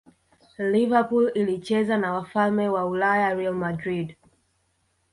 liverpool ilicheza na wafalme wa ulaya real madrid